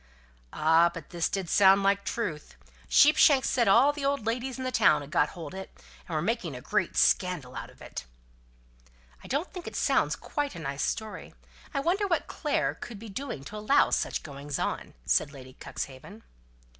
"Ah, but this did sound like truth. Sheepshanks said all the old ladies in the town had got hold of it, and were making a great scandal out of it." "I don't think it does sound quite a nice story. I wonder what Clare could be doing to allow such goings on," said Lady Cuxhaven.